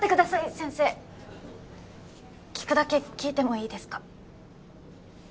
先生聞くだけ聞いてもいいですか？